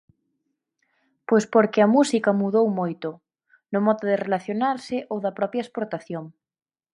Pois porque a música mudou moito, no modo de relacionarse ou da propia exportación.